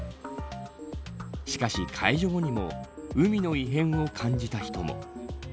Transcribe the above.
しかし、解除後にも海の異変を感じた人も。